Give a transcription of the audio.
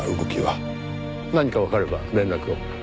何かわかれば連絡を。